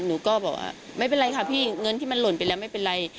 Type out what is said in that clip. หนูก็บอกว่าไม่เป็นไรค่ะพี่เงินที่มันหล่นไปแล้วไม่เป็นไร